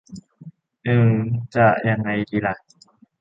อืม จะยังไงดีล่ะ